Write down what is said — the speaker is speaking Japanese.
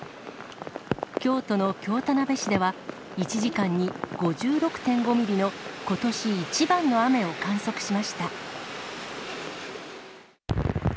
京都の京田辺市では、１時間に５６．５ミリのことし一番の雨を観測しました。